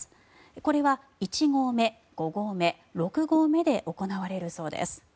これは１合目、５合目、６合目で行われるそうです。